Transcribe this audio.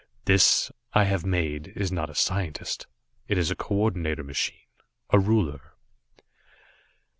"This, I have made, is not a scientist. It is a coordinator machine a ruler."